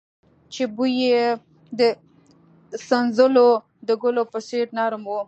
چې بوى يې د سنځلو د ګلو په څېر نرم و.